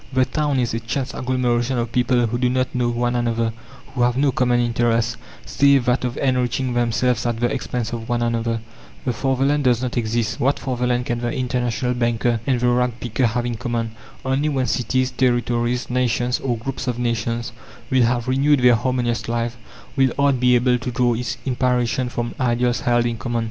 The town is a chance agglomeration of people who do not know one another, who have no common interest, save that of enriching themselves at the expense of one another. The fatherland does not exist.... What fatherland can the international banker and the rag picker have in common? Only when cities, territories, nations, or groups of nations, will have renewed their harmonious life, will art be able to draw its inspiration from ideals held in common.